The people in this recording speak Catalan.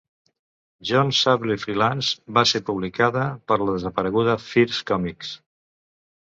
"Jon Sable Freelance" va ser publicada per la desapareguda First Comics.